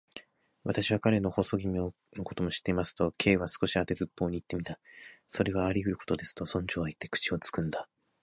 「私は彼の細君のことも知っています」と、Ｋ は少し当てずっぽうにいってみた。「それはありうることです」と、村長はいって、口をつぐんだ。